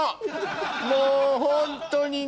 もうホントにね。